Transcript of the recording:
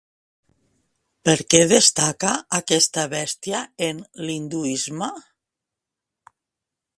Per què destaca aquesta bèstia en l'hinduisme?